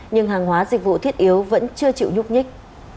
nhưng hàng hóa dịch vụ thiết yếu vẫn chưa chịu nhúc nhích